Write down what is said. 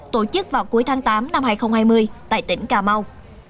tổ chức vào cuối tháng tám năm hai nghìn hai mươi tại tỉnh cà mau